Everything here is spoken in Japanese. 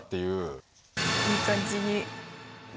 いい感じに。